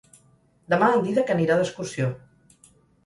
Demà en Dídac anirà d'excursió.